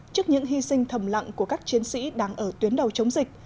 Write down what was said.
trước những hy sinh thầm lặng của các chiến sĩ đang ở tuyến đầu chống dịch